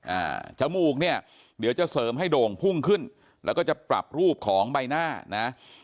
จมูกเนี่ยเดี๋ยวจะเสริมให้โด่งพุ่งขึ้นแล้วก็จะปรับรูปของใบหน้านะ